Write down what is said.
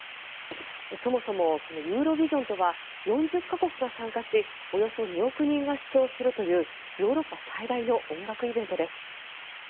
そもそもこのユーロビジョンとは４０か国が参加しおよそ２億人が視聴するというヨーロッパ最大の音楽イベントです。